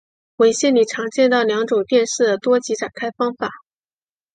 文献里常见到两种电势的多极展开方法。